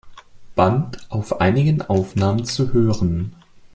Band auf einigen Aufnahmen zu hören.